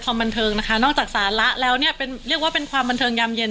บันเทิงนะคะนอกจากสาระแล้วเนี่ยเป็นเรียกว่าเป็นความบันเทิงยามเย็น